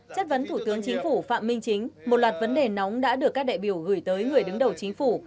chất vấn thủ tướng chính phủ phạm minh chính một loạt vấn đề nóng đã được các đại biểu gửi tới người đứng đầu chính phủ